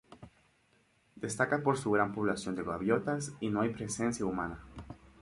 Destaca por su gran población de gaviotas y no hay presencia humana.